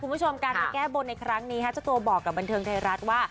คุณผู้ชมการมาแก้บนในครั้งนี้เจ้าตัวบอกกับบันเทิงไทยรัฐว่า